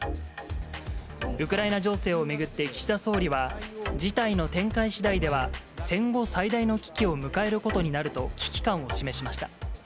ウクライナ情勢を巡って、岸田総理は、事態の展開しだいでは、戦後最大の危機を迎えることになると、危機感を示しました。